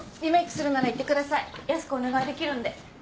安くお願いできるんで。